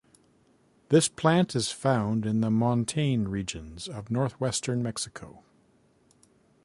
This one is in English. This plant is found in the montane regions of northwestern Mexico.